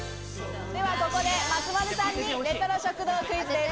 ここで松丸さんにレトロ食堂クイズです。